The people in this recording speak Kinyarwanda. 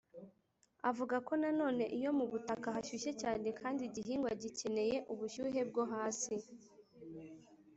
Avuga ko nanone iyo mu butaka hashyushye cyane kandi igihingwa gikeneye ubushyuhe bwo hasi